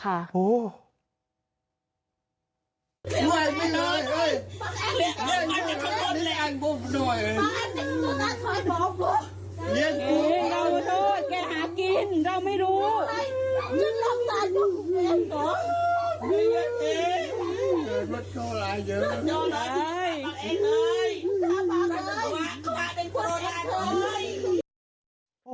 กลับมาหากินเราไม่รู้